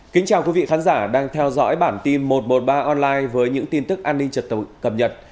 kính chào quý vị khán giả đang theo dõi bản tin một trăm một mươi ba online với những tin tức an ninh trật tự cập nhật